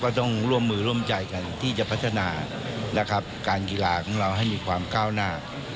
ต้องร่วมมือร่วมใจกันที่จะพัฒนานะครับการกีฬาของเราให้มีความก้าวหน้า